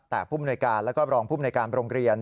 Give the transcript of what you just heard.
แต่ผู้มนุยการและก็รองผู้มนุยการโรงเรียน